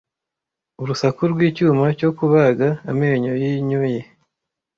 Urusaku rw'icyuma cyo kubaga, amenyo yinyoye,